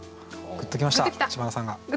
グッときました知花さんが。